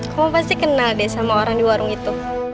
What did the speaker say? kamu pasti kenal deh sama orang di warung itu